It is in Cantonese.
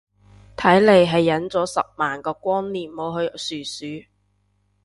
睇嚟係忍咗十萬個光年冇去殊殊